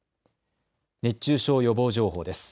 熱中症予防情報です。